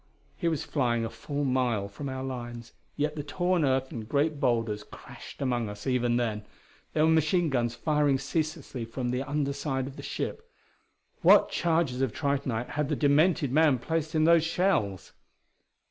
He was flying a full mile from our lines, yet the torn earth and great boulders crashed among us even then. There were machine guns firing ceaselessly from the under side of the ship. What charges of tritonite had the demented man placed in those shells?